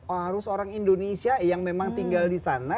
harus orang indonesia yang memang tinggal disana